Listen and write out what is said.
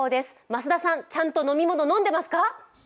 増田さん、ちゃんと飲み物飲んでますか？